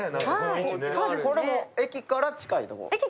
これも駅から近いところ？